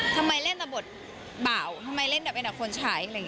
ทำไมเล่นแต่บทบ่าวทำไมเล่นแบบเองของคนชาย